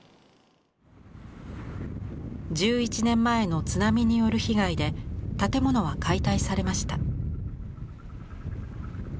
１１年前の津波による被害で建物は解体されました。